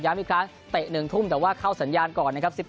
อีกครั้งเตะ๑ทุ่มแต่ว่าเข้าสัญญาณก่อนนะครับ